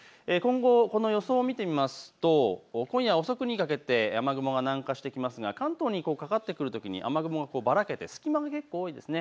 今後、この予想を見てみますと今夜遅くにかけて雨雲が南下してきますが関東にかかってくるときに雨雲がばらけて隙間が結構多いです。